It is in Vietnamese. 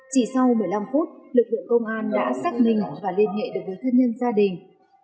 chỉ sau một mươi năm phút lực lượng công an đã xác minh và liên hệ được với thân nhân gia đình